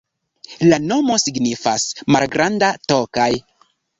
La nomo signifas: malgranda Tokaj.